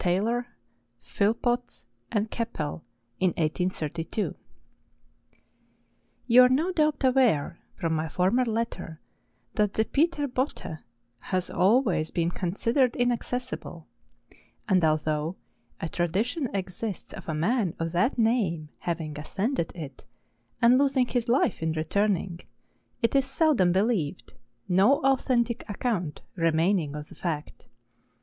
TAYLOK, PHILLPOTTS AND KEPPEL IN 1832. You are no doubt aware, from my former letter, that the Peter Botte has always been considered in¬ accessible ; and although a tradition exists of a man of that name having ascended it and losing his life in returning, it is seldom believed, no au¬ thentic account remaining of the fact.